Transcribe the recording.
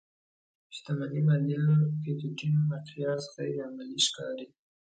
شتمنۍ ماليه پيکيټي مقیاس غیر عملي ښکاري.